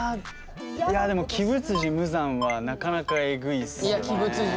いやでも鬼舞無惨はなかなかえぐいっすよね。